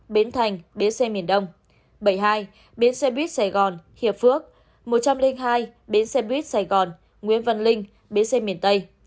bến thành bến xe miền đông bảy mươi hai bến xe buýt sài gòn hiệp phước một trăm linh hai bến xe buýt sài gòn nguyễn văn linh bến xe miền tây